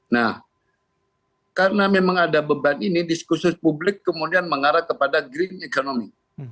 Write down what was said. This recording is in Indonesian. nah karena memang ada beban ini diskursus publik kemudian mengarah kepada green economy